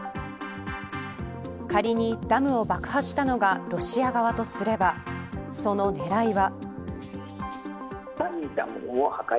仮に、ダムを爆破したのがロシア側とすればその狙いは。